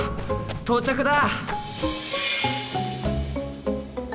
到着だ！